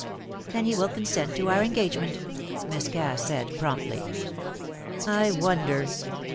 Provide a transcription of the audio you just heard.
"Then he will consent to our engagement," Miss Cass said, promptly. "I wonder!"